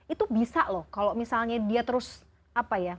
itu bisa loh kalau misalnya dia terus apa ya